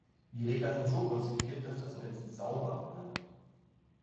Die Regler sind so konzipiert, dass das Netz "sauber" bleibt.